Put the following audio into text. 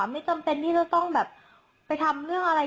ไม่จำเป็นต้องไปทำเรื่องอะไร